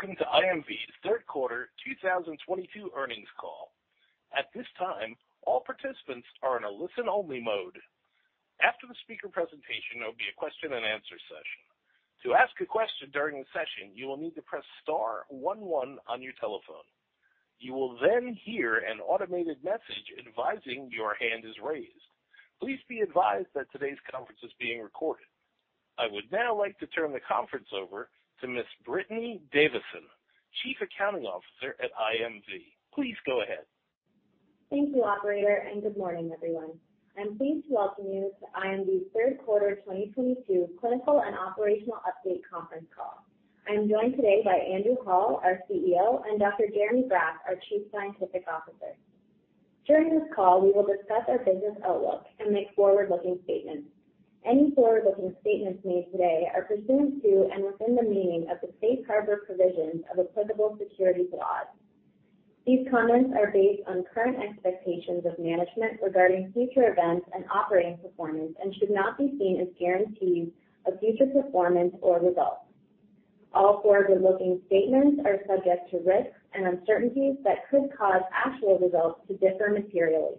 Welcome to IMV's third quarter 2022 earnings call. At this time, all participants are in a listen-only mode. After the speaker presentation, there'll be a question-and-answer session. To ask a question during the session, you will need to press star one one on your telephone. You will then hear an automated message advising your hand is raised. Please be advised that today's conference is being recorded. I would now like to turn the conference over to Miss Brittany Davison, Chief Accounting Officer at IMV. Please go ahead. Thank you operator, and good morning, everyone. I'm pleased to welcome you to IMV's third quarter 2022 clinical and operational update conference call. I am joined today by Andrew Hall, our CEO, and Dr. Jeremy Graff, our Chief Scientific Officer. During this call, we will discuss our business outlook and make forward-looking statements. Any forward-looking statements made today are presumed to, and within the meaning of the safe harbor provisions of applicable securities laws. These comments are based on current expectations of management regarding future events and operating performance and should not be seen as guarantees of future performance or results. All forward-looking statements are subject to risks and uncertainties that could cause actual results to differ materially.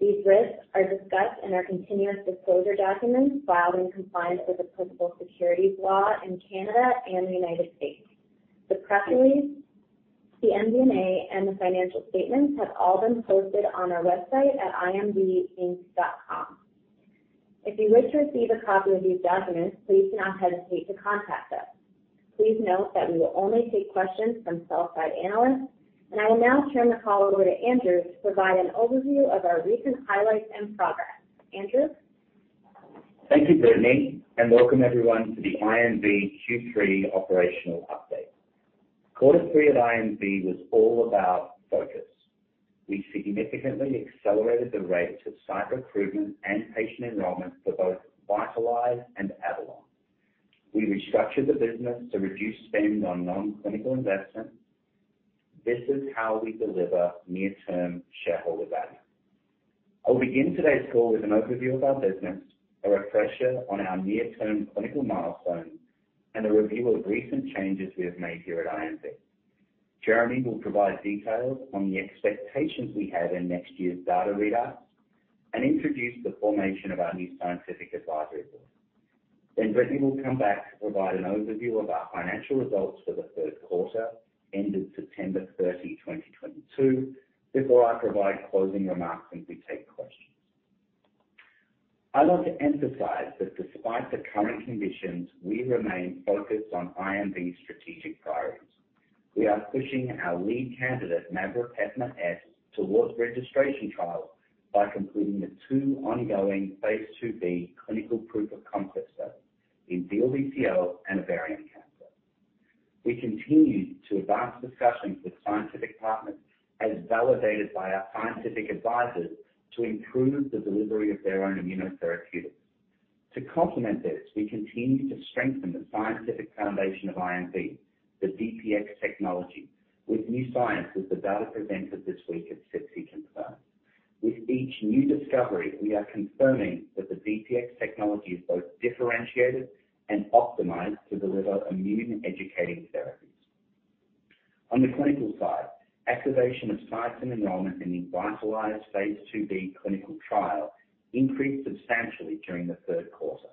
These risks are discussed in our continuous disclosure documents filed in compliance with applicable securities law in Canada and the United States. The press release, the MD&A, and the financial statements have all been posted on our website at imv-inc.com. If you wish to receive a copy of these documents, please do not hesitate to contact us. Please note that we will only take questions from sell-side analysts. I will now turn the call over to Andrew to provide an overview of our recent highlights and progress. Andrew? Thank you, Brittany, and welcome everyone to the IMV Q3 operational update. Quarter three at IMV was all about focus. We significantly accelerated the rates of site recruitment and patient enrollment for both VITALIZE and AVALON. We restructured the business to reduce spend on non-clinical investments. This is how we deliver near-term shareholder value. I'll begin today's call with an overview of our business, a refresher on our near-term clinical milestones, and a review of recent changes we have made here at IMV. Jeremy will provide details on the expectations we have in next year's data readouts and introduce the formation of our new scientific advisory board. Brittany will come back to provide an overview of our financial results for the third quarter ended September 30th, 2022, before I provide closing remarks and we take questions. I'd like to emphasize that despite the current conditions, we remain focused on IMV's strategic priorities. We are pushing our lead candidate, maveropepimut-S, towards registration trial by completing the two ongoing Phase IIb clinical proof-of-concept studies in DLBCL and ovarian cancer. We continue to advance discussions with scientific partners as validated by our scientific advisors to improve the delivery of their own immunotherapeutics. To complement this, we continue to strengthen the scientific foundation of IMV, the DPX technology, with new science as the data presented this week at SITC confirmed. With each new discovery, we are confirming that the DPX technology is both differentiated and optimized to deliver immune-educating therapies. On the clinical side, activation of sites and enrollment in the VITALIZE Phase IIb clinical trial increased substantially during the third quarter.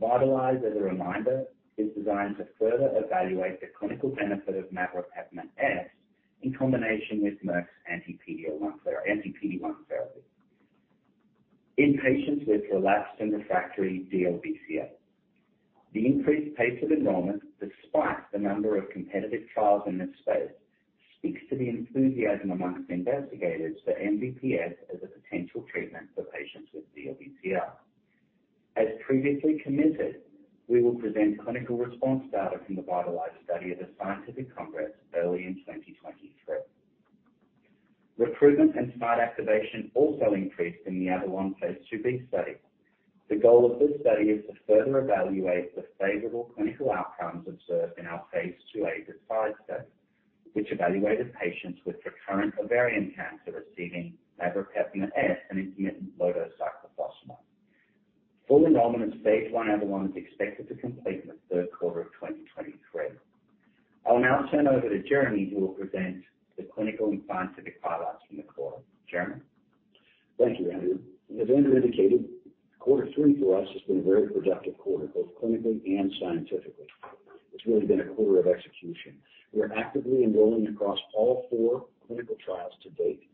VITALIZE, as a reminder, is designed to further evaluate the clinical benefit of maveropepimut-S in combination with Merck's anti-PD-1 therapy in patients with relapsed and refractory DLBCL. The increased pace of enrollment, despite the number of competitive trials in this space, speaks to the enthusiasm among investigators for MVP-S as a potential treatment for patients with DLBCL. As previously committed, we will present clinical response data from the VITALIZE study at a scientific congress early in 2023. Recruitment and site activation also increased in the AVALON Phase IIb study. The goal of this study is to further evaluate the favorable clinical outcomes observed in our Phase IIa DeCidE1 study, which evaluated patients with recurrent ovarian cancer receiving maveropepimut-S and intermittent low-dose cyclophosphamide. Full enrollment of phase one AVALON is expected to complete in the third quarter of 2023. I'll now turn over to Jeremy, who will present the clinical and scientific highlights from the quarter. Jeremy? Thank you, Andrew. As Andrew indicated, quarter three for us has been a very productive quarter, both clinically and scientifically. It's really been a quarter of execution. We are actively enrolling across all four clinical trials to-date.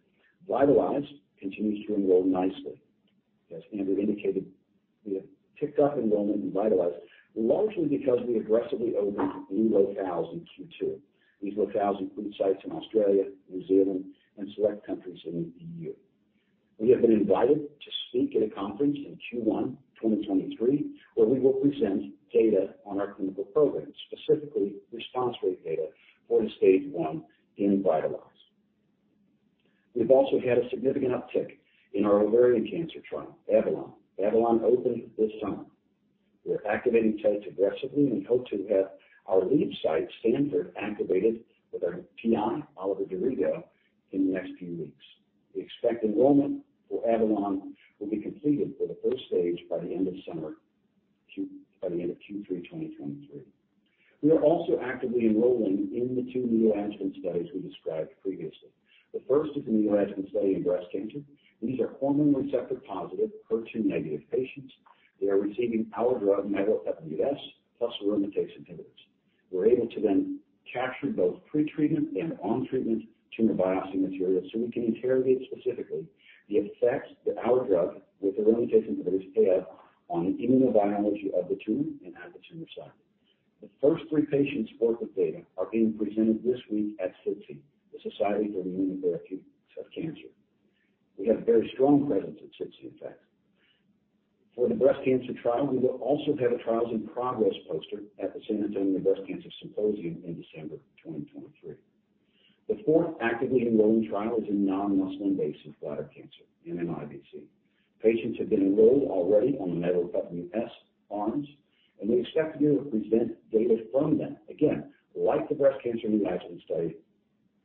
VITALIZE continues to enroll nicely. As Andrew indicated, we have ticked up enrollment in VITALIZE, largely because we aggressively opened new locales in Q2. These locales include sites in Australia, New Zealand, and select countries in the EU. We have been invited to speak at a conference in Q1 2023, where we will present data on our clinical program, specifically response rate data for the Phase I in VITALIZE. We've also had a significant uptick in our ovarian cancer trial, AVALON. AVALON opened this summer. We are activating sites aggressively, and we hope to have our lead site, Stanford, activated with our PI, Oliver Dorigo, in the next few weeks. We expect enrollment for AVALON will be completed for the first stage by the end of summer, by the end of Q3 2023. We are also actively enrolling in the two neo-adjuvant studies we described previously. The first is the neo-adjuvant study in breast cancer. These are hormone receptor-positive, HER2-negative patients. They are receiving our drug, MVP-S, plus aromatase inhibitors. We're able to then capture both pre-treatment and on-treatment tumor biopsy material, so we can interrogate specifically the effects that our drug with aromatase inhibitors have on the immunobiology of the tumor and how the tumors are. The first three patients' worth of data are being presented this week at SITC, the Society for Immunotherapy of Cancer. We have a very strong presence at SITC, in fact. For the breast cancer trial, we will also have a Trials in Progress poster at the San Antonio Breast Cancer Symposium in December 2023. The fourth actively enrolled trial is in non-muscle invasive bladder cancer, NMIBC. Patients have been enrolled already on the MVP-S arms, and we expect to be able to present data from them. Again, like the breast cancer neoadjuvant study,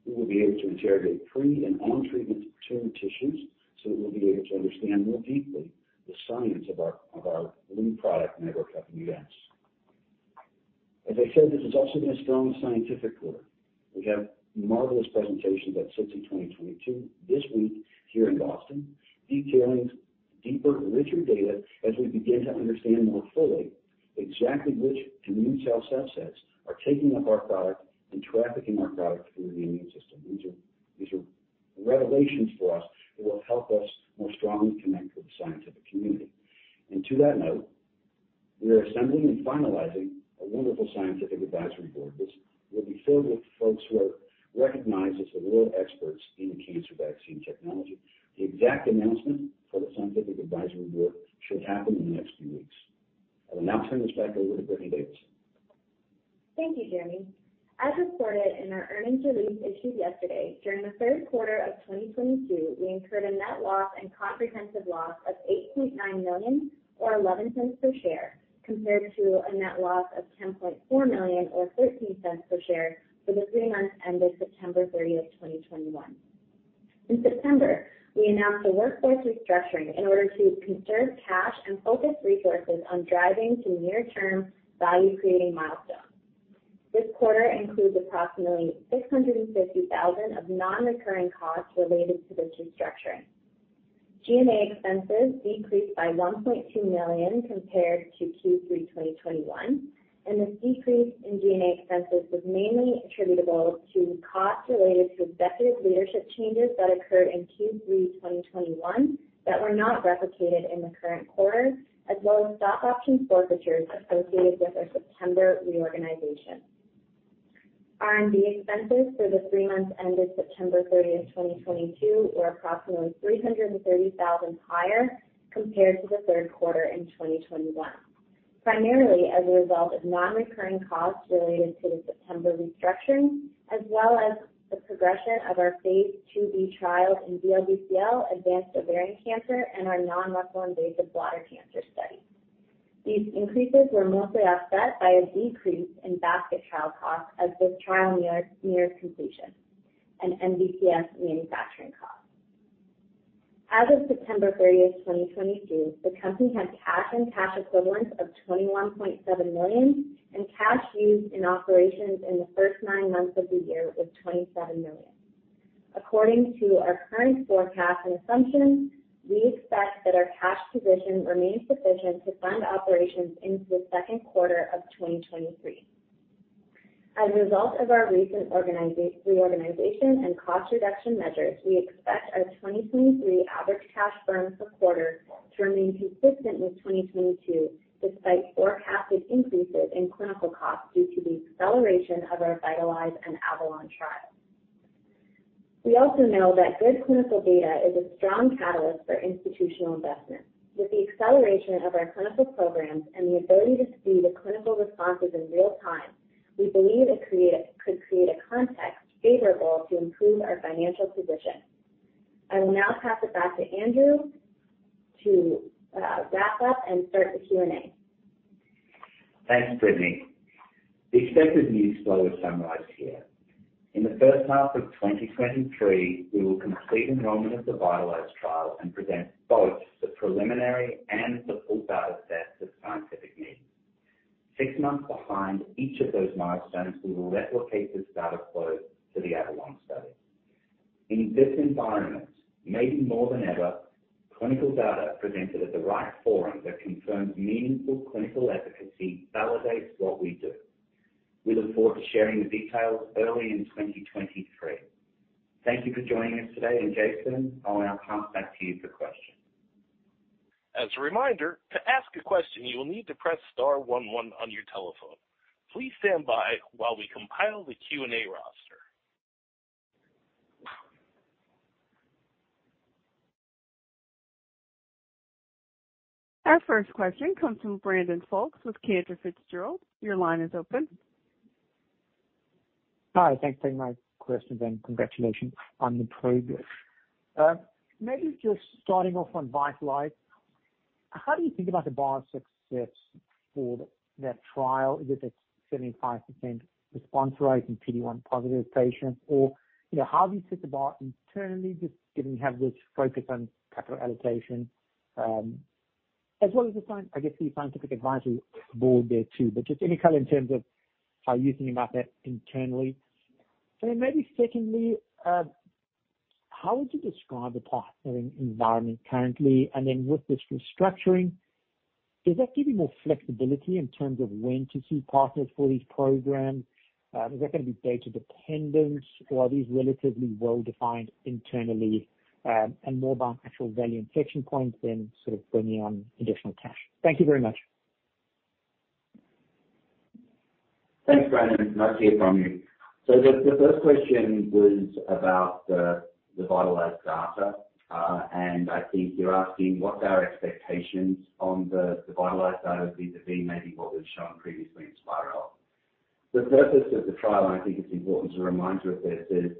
we will be able to interrogate pre and on-treatment tumor tissues, so we'll be able to understand more deeply the science of our lead product MVP-S. As I said, this has also been a strong scientific quarter. We have marvelous presentations at SITC 2022 this week here in Boston, detailing deeper, richer data as we begin to understand more fully exactly which immune cell subsets are taking up our product and trafficking our product through the immune system. These are revelations for us that will help us more strongly connect with the scientific community. To that note, we are assembling and finalizing a wonderful scientific advisory board. This will be filled with folks who are recognized as the world experts in cancer vaccine technology. The exact announcement for the scientific advisory board should happen in the next few weeks. I will now turn this back over to Brittany Davison. Thank you, Jeremy. As reported in our earnings release issued yesterday, during the third quarter of 2022, we incurred a net loss and comprehensive loss of 8.9 million or 0.11 per share, compared to a net loss of 10.4 million or 0.13 per share for the three months ended September 30th, 2021. In September, we announced a workforce restructuring in order to conserve cash and focus resources on driving to near-term value-creating milestones. This quarter includes approximately 650,000 of non-recurring costs related to the restructuring. G&A expenses decreased by 1.2 million compared to Q3 2021, and this decrease in G&A expenses was mainly attributable to costs related to executive leadership changes that occurred in Q3 2021 that were not replicated in the current quarter, as well as stock option forfeitures associated with our September reorganization. R&D expenses for the three months ended September 30th, 2022, were approximately 330,000 higher compared to the third quarter in 2021, primarily as a result of non-recurring costs related to the September restructuring, as well as the progression of our Phase IIb trial in DLBCL advanced ovarian cancer and our non-muscle-invasive bladder cancer study. These increases were mostly offset by a decrease in basket trial costs as this trial nears completion and NBCS manufacturing costs. As of September 30th, 2022, the company had cash and cash equivalents of 21.7 million, and cash used in operations in the first nine months of the year was 27 million. According to our current forecast and assumptions, we expect that our cash position remains sufficient to fund operations into the second quarter of 2023. As a result of our recent reorganization and cost reduction measures, we expect our 2023 average cash burn per quarter to remain consistent with 2022, despite forecasted increases in clinical costs due to the acceleration of our VITALIZE and AVALON trials. We also know that good clinical data is a strong catalyst for institutional investment. With the acceleration of our clinical programs and the ability to see the clinical responses in real time, we believe it could create a context favorable to improve our financial position. I will now pass it back to Andrew to wrap up and start the Q&A. Thanks, Brittany. The expected news flow is summarized here. In the first half of 2023, we will complete enrollment of the VITALIZE trial and present both the preliminary and the full data set to scientific meetings. Six months behind each of those milestones, we will replicate this data flow to the AVALON study. In this environment, maybe more than ever, clinical data presented at the right forum that confirms meaningful clinical efficacy validates what we do. We look forward to sharing the details early in 2023. Thank you for joining us today. Jason, I'll now pass back to you for questions. As a reminder, to ask a question, you will need to press star one one on your telephone. Please stand by while we compile the Q&A roster. Our first question comes from Brandon Folkes with Cantor Fitzgerald. Your line is open. Hi. Thanks for taking my question, and congratulations on the progress. Maybe just starting off on VITALIZE. How do you think about the bar of success for that trial? Is it the 75% response rate in PD-1 positive patients or, you know, how do you set the bar internally, just given you have this focus on capital allocation, as well as the scientific advisory board there too. But just any color in terms of how you're thinking about that internally. Then maybe secondly, how would you describe the partnering environment currently? Then with this restructuring, does that give you more flexibility in terms of when to see partners for these programs? Is that gonna be data dependent or are these relatively well-defined internally, and more about actual value inflection points than sort of bringing on additional cash? Thank you very much. Thanks, Brandon. Nice to hear from you. The first question was about the VITALIZE data. I think you're asking what's our expectations on the VITALIZE data vis-à-vis maybe what we've shown previously in SPiReL. The purpose of the trial, and I think it's important to remind you of this, is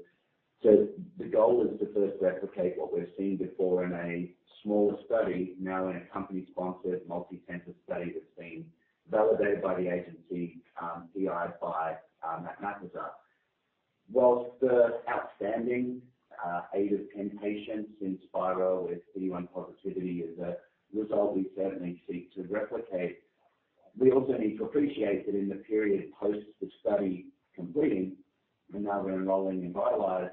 so the goal is to first replicate what we've seen before in a smaller study, now in a company sponsored multi-center study that's been validated by the agency, PI'd by Matt Kalaycio. While the outstanding eight of 10 patients in SPiReL with PD-1 positivity is a result we certainly seek to replicate, we also need to appreciate that in the period post the study completing, and now we're enrolling in VITALIZE,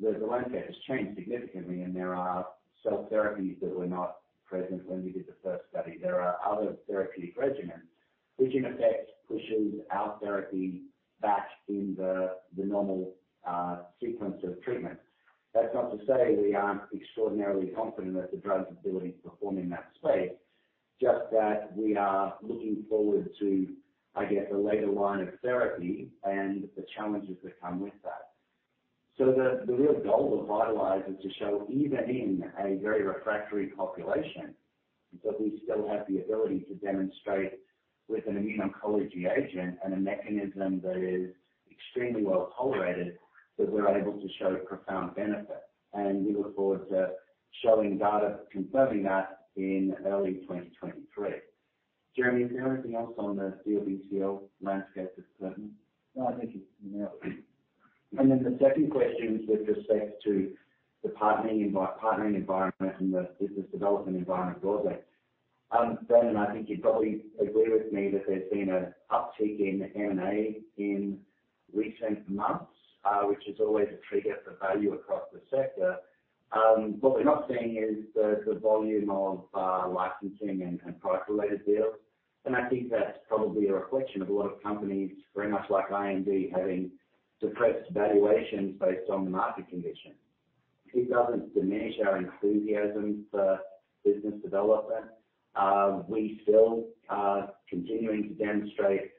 the landscape has changed significantly and there are cell therapies that were not present when we did the first study. There are other therapeutic regimens which in effect pushes our therapy back in the normal sequence of treatment. That's not to say we aren't extraordinarily confident that the drug's ability to perform in that space, just that we are looking forward to, I guess, a later line of therapy and the challenges that come with that. The real goal of VITALIZE is to show even in a very refractory population, that we still have the ability to demonstrate with an immuno-oncology agent and a mechanism that is extremely well-tolerated, that we're able to show profound benefit. We look forward to showing data confirming that in early 2023. Jeremy, is there anything else on the DLBCL landscape that's pertinent? No, I think you nailed it. The second question with respect to the partnering environment and the business development environment broadly. Brandon, I think you'd probably agree with me that there's been an uptick in M&A in recent months, which is always a trigger for value across the sector. What we're not seeing is the volume of licensing and product related deals. I think that's probably a reflection of a lot of companies, very much like IMV, having suppressed valuations based on the market condition. It doesn't diminish our enthusiasm for business development. We still are continuing to demonstrate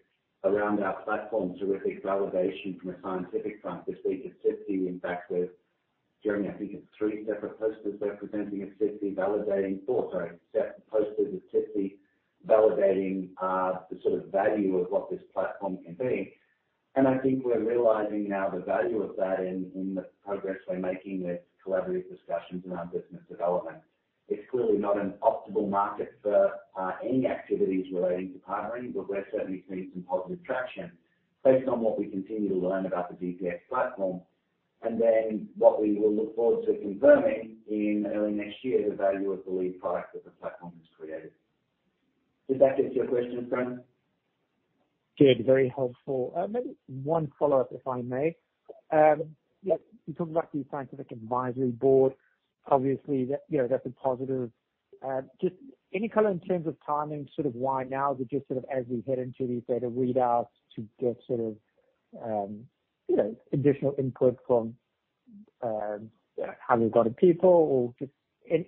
around our platform, terrific validation from a scientific front this week at SITC. In fact, Jeremy, I think it's four separate posters we're presenting at SITC validating the sort of value of what this platform can be. I think we're realizing now the value of that in the progress we're making with collaborative discussions in our business development. It's clearly not an optimal market for any activities relating to partnering, but we're certainly seeing some positive traction based on what we continue to learn about the DPX platform. What we will look forward to confirming in early next year, the value of the lead product that the platform has created. Did that get to your question, Brandon? Yeah. Very helpful. Maybe one follow-up, if I may. Like you talked about the scientific advisory board, obviously that, you know, that's a positive. Just any color in terms of timing, sort of why now? Is it just sort of as we head into these data readouts to get sort of, you know, additional input from, highly regarded people or just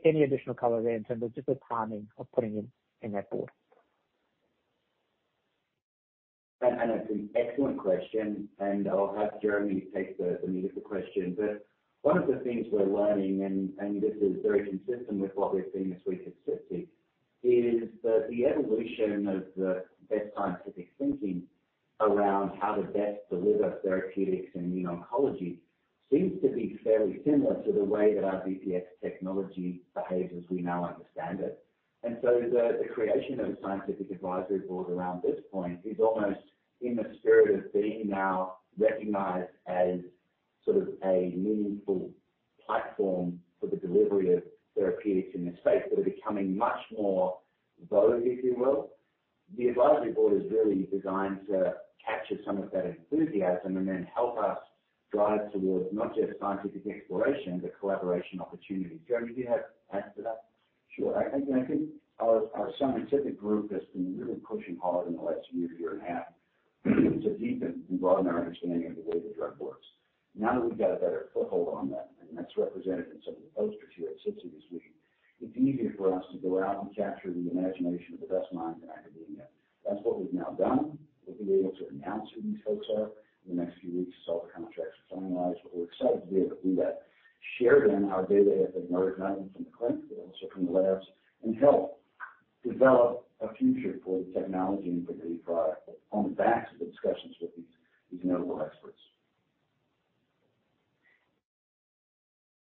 any additional color there in terms of just the timing of putting in that board. It's an excellent question, and I'll have Jeremy take the meat of the question. One of the things we're learning, and this is very consistent with what we've seen this week at SITC, is that the evolution of the best scientific thinking around how to best deliver therapeutics in immune oncology seems to be fairly similar to the way that our DPX technology behaves as we now understand it. The creation of a scientific advisory board around this point is almost in the spirit of being now recognized as sort of a meaningful platform for the delivery of therapeutics in this space that are becoming much more bold, if you will. The advisory board is really designed to capture some of that enthusiasm and then help us drive towards not just scientific exploration, but collaboration opportunities. Jeremy, do you have anything to add to that? Sure. I think our scientific group has been really pushing hard in the last year and a half, to deepen and broaden our understanding of the way the drug works. Now that we've got a better foothold on that, and that's represented in some of the posters here at SITC this week, it's easier for us to go out and capture the imagination of the best minds in academia. That's what we've now done. We'll be able to announce who these folks are in the next few weeks as all the contracts are finalized, but we're excited to be able to do that, share then our data that we've learned not only from the clinic, but also from the labs, and help develop a future for the technology and for the product on the backs of the discussions with these notable experts.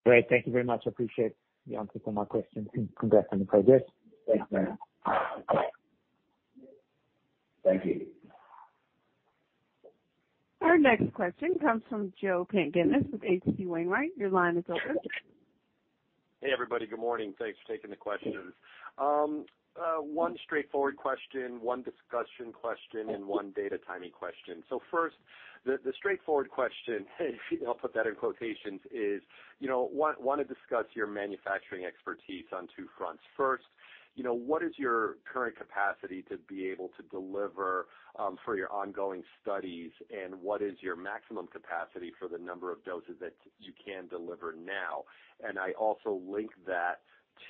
Great. Thank you very much. Appreciate the answers to my questions, and congrats on the progress. Thanks, man. Thank you. Our next question comes from Joe Pantginis with H.C. Wainwright. Your line is open. Hey, everybody. Good morning. Thanks for taking the questions. One straightforward question, one discussion question, and one data timing question. First, the straightforward question, and I'll put that in quotations, is, you know, wanna discuss your manufacturing expertise on two fronts. First, you know, what is your current capacity to be able to deliver for your ongoing studies, and what is your maximum capacity for the number of doses that you can deliver now? I also link that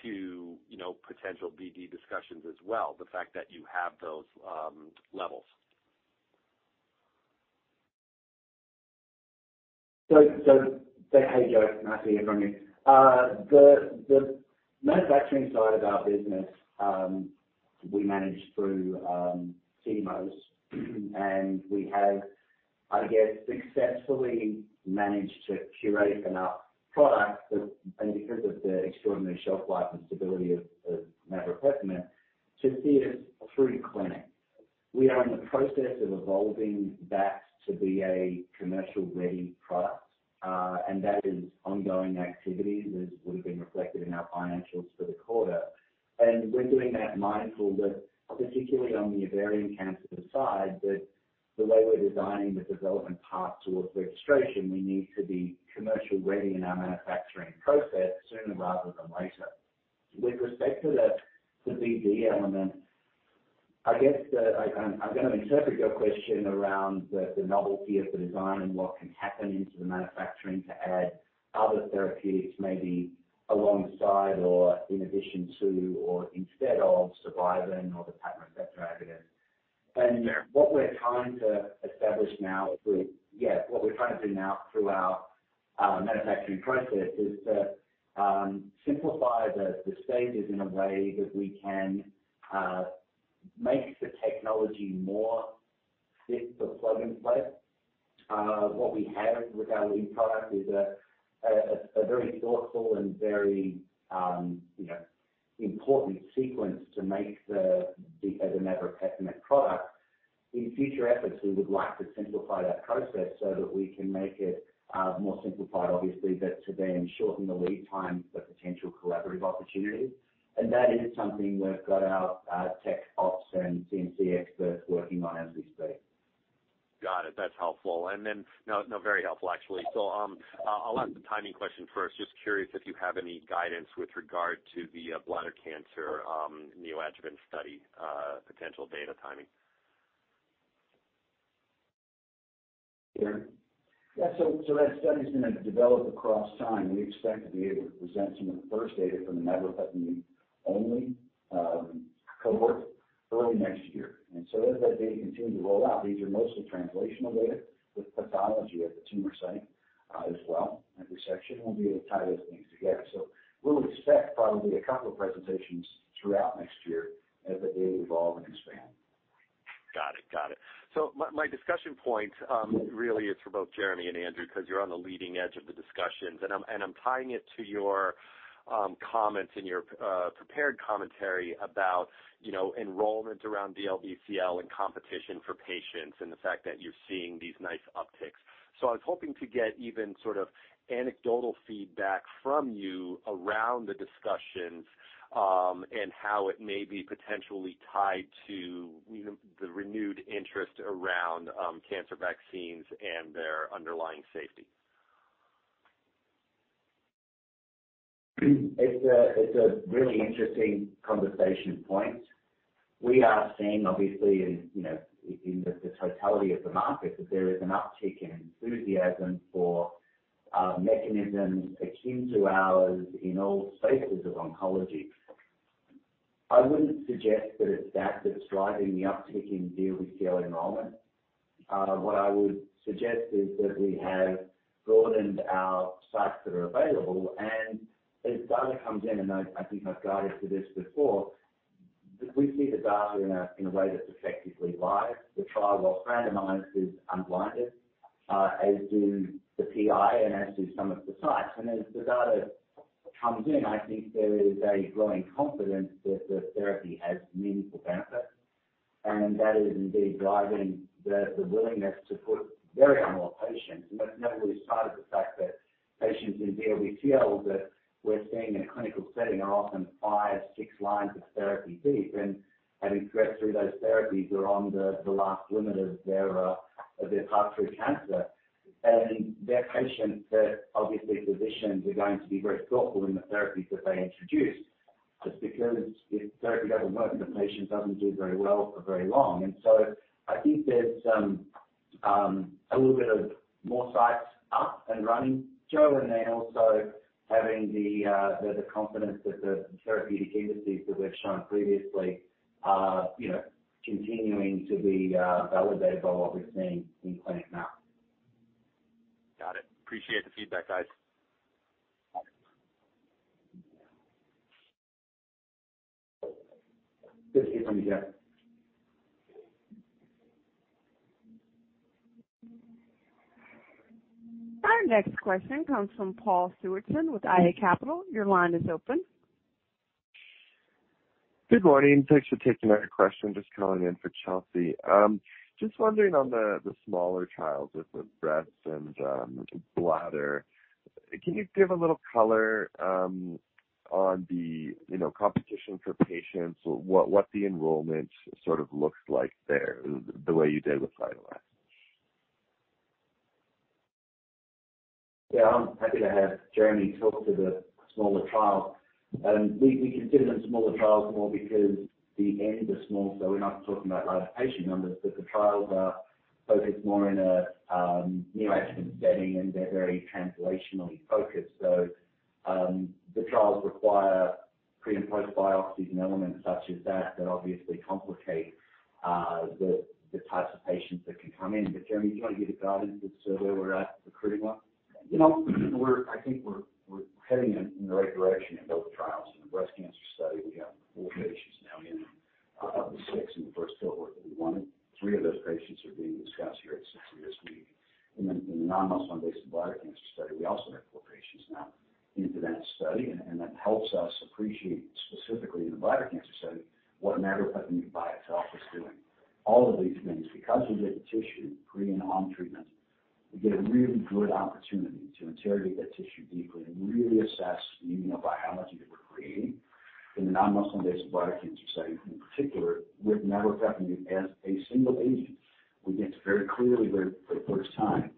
to, you know, potential BD discussions as well, the fact that you have those levels. Hey, Joe, nice to hear from you. The manufacturing side of our business, we manage through CMOs, and we have, I guess, successfully managed to curate enough product that, and because of the extraordinary shelf life and stability of maveropepimut-S, to see it through clinic. We are in the process of evolving that to be a commercial ready product, and that is ongoing activity that would have been reflected in our financials for the quarter. We're doing that mindful that particularly on the ovarian cancer side, that the way we're designing the development path towards registration, we need to be commercial ready in our manufacturing process sooner rather than later. With respect to the BD element, I guess I'm gonna interpret your question around the novelty of the design and what can happen in the manufacturing to add other therapeutics maybe alongside or in addition to or instead of survivin or the programmed death receptor agonist. What we're trying to do now through our manufacturing process is to simplify the stages in a way that we can make the technology more fit for plug and play. What we have with our lead product is a very thoughtful and very, you know, important sequence to make the maveropepimut-S product. In future efforts, we would like to simplify that process so that we can make it more simplified, obviously, but to then shorten the lead time for potential collaborative opportunities. That is something we've got our tech ops and CMC experts working on as we speak. Got it. That's helpful. That's very helpful actually. I'll ask the timing question first. Just curious if you have any guidance with regard to the bladder cancer neoadjuvant study potential data timing? Yeah. That study's gonna develop across time. We expect to be able to present some of the first data from the maveropepimut-S only cohort early next year. As that data continues to roll out, these are mostly translational data with pathology at the tumor site, as well, at resection, we'll be able to tie those things together. We'll expect probably a couple of presentations throughout next year as the data evolve and expand. Got it. My discussion point really is for both Jeremy and Andrew, because you're on the leading edge of the discussions. I'm tying it to your comments in your prepared commentary about you know enrollment around DLBCL and competition for patients and the fact that you're seeing these nice upticks. I was hoping to get even sort of anecdotal feedback from you around the discussions and how it may be potentially tied to the renewed interest around cancer vaccines and their underlying safety. It's a really interesting conversation point. We are seeing obviously, you know, in the totality of the market that there is an uptick in enthusiasm for mechanisms akin to ours in all spaces of oncology. I wouldn't suggest that it's that that's driving the uptick in DLBCL enrollment. What I would suggest is that we have broadened our sites that are available and as data comes in, and I think I've guided to this before, we see the data in a way that's effectively live. The trial, whilst randomized, is unblinded, as is the PI and as do some of the sites. As the data comes in, I think there is a growing confidence that the therapy has meaningful benefit. That is indeed driving the willingness to put very unwell patients. That's notable despite the fact that patients in DLBCL that we're seeing in a clinical setting are often five, six lines of therapy deep and having progressed through those therapies are on the last limit of their path through cancer. They're patients that obviously physicians are going to be very thoughtful in the therapies that they introduce, just because if therapy doesn't work, the patient doesn't do very well for very long. I think there's a little bit more sites up and running, Joe, and then also having the confidence that the therapeutic indices that we've shown previously are, you know, continuing to be validated by what we've seen in clinic now. Got it. Appreciate the feedback, guys. This is Andrew here. Our next question comes from Paul Stewardson with iA Capital Markets. Your line is open. Good morning. Thanks for taking my question. Just calling in for Chelsea. Just wondering on the smaller trials with the breast and bladder, can you give a little color on the, you know, competition for patients, what the enrollment sort of looks like there, the way you did with VITALIZE? I'm happy to have Jeremy talk to the smaller trials. We consider them smaller trials more because the n's are small, so we're not talking about large patient numbers, but the trials are focused more in a neoadjuvant setting, and they're very translational focused. The trials require pre and post-biopsies and elements such as that obviously complicate the types of patients that can come in. Jeremy, do you want to give the guidance as to where we're at recruiting-wise? You know, I think we're heading in the right direction in both trials. In the breast cancer study, we have four patients now in of the six in the first cohort that we wanted. Three of those patients are being discussed here at SITC meeting. In the non-muscle invasive bladder cancer study, we also have 4 patients now into that study. That helps us appreciate specifically in the bladder cancer study what maveropepimut-S by itself is doing. All of these things because we get the tissue pre and on treatment, we get a really good opportunity to interrogate that tissue deeply and really assess the immunobiology that we're creating. In the non-muscle invasive bladder cancer study in particular, with maveropepimut-S as a single agent, we get to very clearly for the first time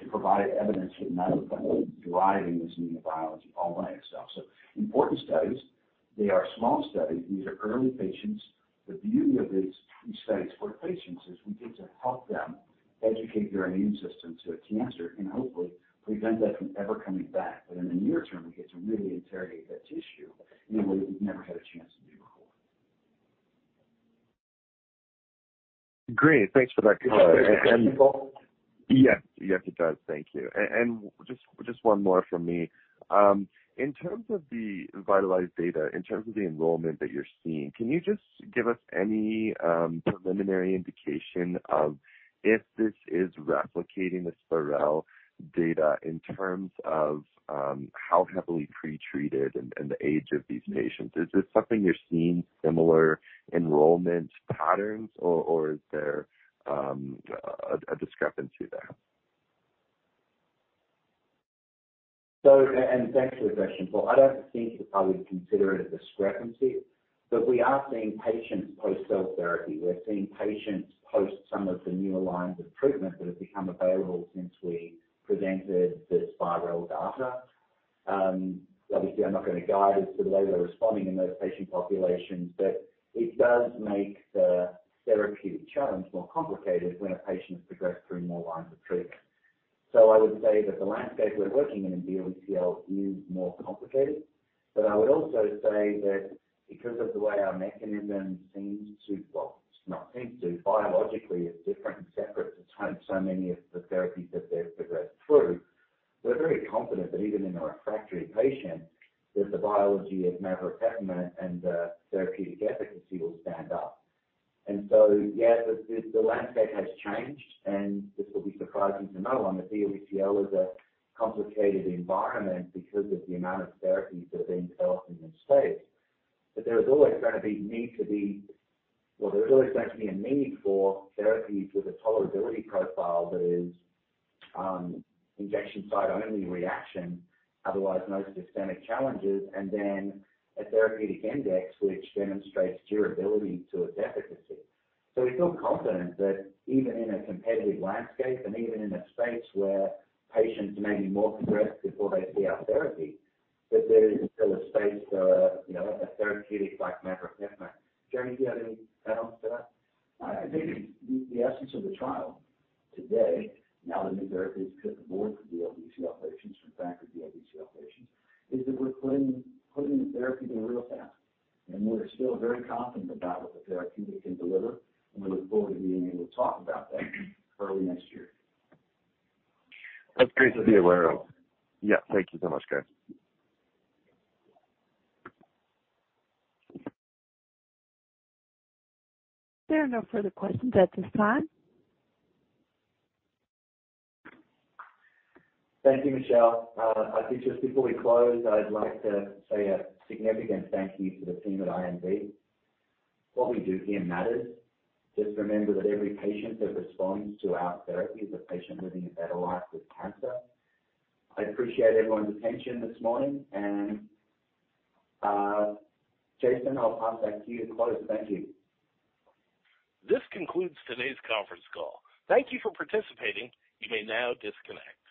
to provide evidence with maveropepimut-S driving this immunobiology all by itself. Important studies. They are small studies. These are early patients. The beauty of these studies for patients is we get to help them educate their immune system to a cancer and hopefully prevent that from ever coming back. In the near term, we get to really interrogate that tissue in a way that we've never had a chance to do before. Great. Thanks for that color. Does that make sense, Paul? Yes. Yes, it does. Thank you. Just one more from me. In terms of the VITALIZE data, in terms of the enrollment that you're seeing, can you just give us any preliminary indication of if this is replicating the SPiReL data in terms of how heavily pre-treated and the age of these patients? Is this something you're seeing similar enrollment patterns or is there a discrepancy there? Thanks for the question, Paul. I don't think you'd probably consider it a discrepancy, but we are seeing patients post-cell therapy. We're seeing patients post some of the newer lines of treatment that have become available since we presented the SPiReL data. Obviously, I'm not gonna guide as to the way they're responding in those patient populations, but it does make the therapeutic challenge more complicated when a patient's progressed through more lines of treatment. I would say that the landscape we're working in DLBCL is more complicated. I would also say that because of the way our mechanism biologically is different and separate to so many of the therapies that they've progressed through, we're very confident that even in a refractory patient, that the biology of maveropepimut-S and the therapeutic efficacy will stand up. Yeah, the landscape has changed, and this will be surprising to no one. The DLBCL is a complicated environment because of the amount of therapies that are being developed in this space. There is always going to be a need for therapies with a tolerability profile that is injection site only reaction, otherwise no systemic challenges. Then a therapeutic index which demonstrates durability to its efficacy. We feel confident that even in a competitive landscape and even in a space where patients may be more progressed before they see our therapy, that there is still a space for, you know, a therapeutic like maveropepimut-S. Jeremy, do you have any add on to that? I think the essence of the trial today, now that new therapies hit the market for DLBCL patients, for refractory DLBCL patients, is that we're putting the therapy really fast. We're still very confident about what the therapy can deliver, and we look forward to being able to talk about that early next year. That's great to be aware of. Yeah. Thank you so much, guys. There are no further questions at this time. Thank you, Michelle. I think just before we close, I'd like to say a significant thank you to the team at IMV. What we do here matters. Just remember that every patient that responds to our therapy is a patient living a better life with cancer. I appreciate everyone's attention this morning. Jason, I'll pass back to you to close. Thank you. This concludes today's conference call. Thank you for participating. You may now disconnect.